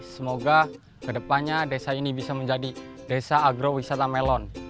semoga kedepannya desa ini bisa menjadi desa agrowisata melon